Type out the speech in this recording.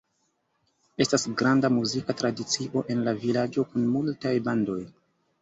Estas granda muzika tradicio en la vilaĝo kun multaj bandoj.